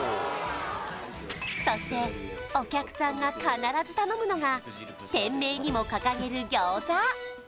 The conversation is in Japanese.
そしてお客さんが必ず頼むのが店名にも掲げる餃子